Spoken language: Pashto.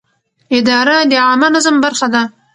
اداره د عامه نظم برخه ده.